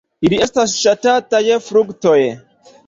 Ili estas ŝatataj fruktoj.